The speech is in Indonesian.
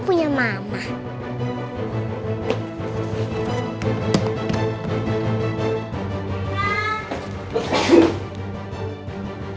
tuhan yang terbaik